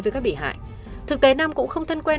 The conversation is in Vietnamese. với các bị hại thực tế nam cũng không thân quen